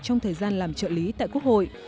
trong thời gian làm trợ lý tại quốc hội